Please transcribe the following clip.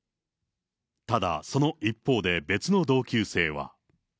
ただ、その一方で、別の同級生は。